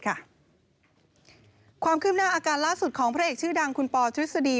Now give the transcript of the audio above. ความคืบหน้าอาการล่าสุดของพระเอกชื่อดังคุณปอทฤษฎี